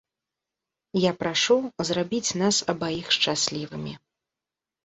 Я прашу зрабіць нас абаіх шчаслівымі!